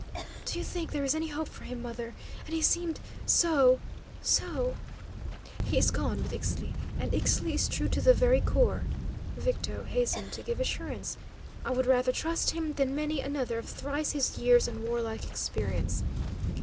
Do you think there is any hope for him, mother? And he seemed so so " "He is gone with Ixtli, and Ixtli is true to the very core," Victo hastened to give assurance. "I would rather trust him than many another of thrice his years and warlike experience.